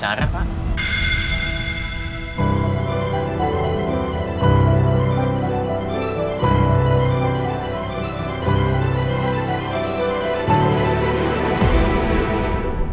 aduh ibu sarah pak